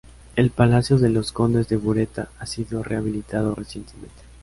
El Palacio de los Condes de Bureta ha sido rehabilitado recientemente.